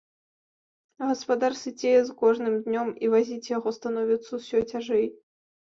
Гаспадар сыцее з кожным днём, і вазіць яго становіцца ўсё цяжэй.